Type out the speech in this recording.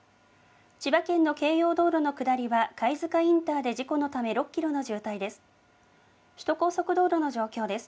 千葉県の京葉道路の下りは、貝塚インターで事故のため６キロの渋滞です。